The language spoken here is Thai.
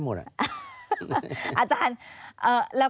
สวัสดีครับ